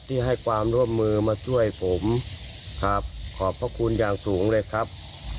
ที่ให้ความร่วมมือมาช่วยผมครับขอบพระคุณอย่างสูงเลยครับ